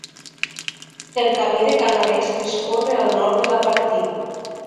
El Camí de Canalets discorre al nord de la partida.